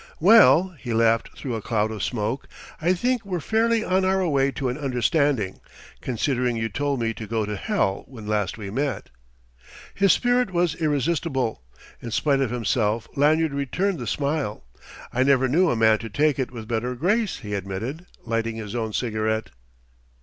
"Well," he laughed through a cloud of smoke "I think we're fairly on our way to an understanding, considering you told me to go to hell when last we met!" His spirit was irresistible: in spite of himself Lanyard returned the smile. "I never knew a man to take it with better grace," he admitted, lighting his own cigarette.